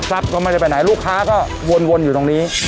ก็ไม่ได้ไปไหนลูกค้าก็วนอยู่ตรงนี้